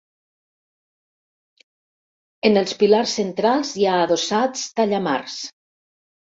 En els pilars centrals hi ha adossats tallamars.